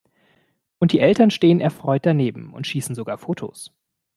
Und die Eltern stehen erfreut daneben und schießen sogar Fotos!